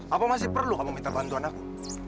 apa masih perlu kamu minta bantuan aku